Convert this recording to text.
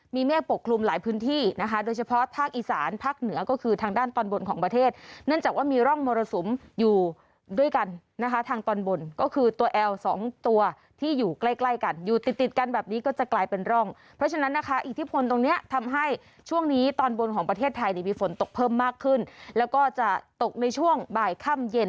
มีเมฆปกคลุมหลายพื้นที่นะคะโดยเฉพาะภาคอีสานภาคเหนือก็คือทางด้านตอนบนของประเทศเนื่องจากว่ามีร่องมรสุมอยู่ด้วยกันนะคะทางตอนบนก็คือตัวแอลสองตัวที่อยู่ใกล้ใกล้กันอยู่ติดติดกันแบบนี้ก็จะกลายเป็นร่องเพราะฉะนั้นนะคะอิทธิพลตรงเนี้ยทำให้ช่วงนี้ตอนบนของประเทศไทยมีฝนตกเพิ่มมากขึ้นแล้วก็จะตกในช่วงบ่ายค่ำเย็น